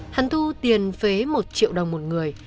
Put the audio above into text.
hắn thu tiền phế một triệu đồng một người